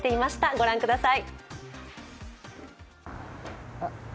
御覧ください。